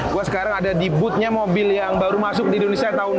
gue sekarang ada di boothnya mobil yang baru masuk di indonesia tahun dua ribu